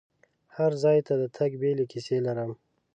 هر ځای ته د تګ بیلې کیسې لرم.